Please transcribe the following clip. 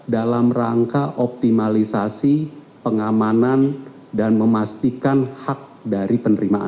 dalam rangka optimalisasi pengamanan dan memastikan hak dari penerimaan